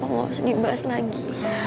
aku harus di bas lagi